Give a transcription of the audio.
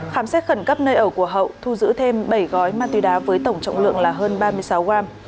khám xét khẩn cấp nơi ở của hậu thu giữ thêm bảy gói ma túy đá với tổng trọng lượng là hơn ba mươi sáu gram